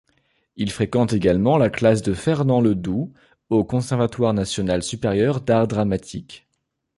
Il fréquente également la classe de Fernand Ledoux au Conservatoire national supérieur d'art dramatique.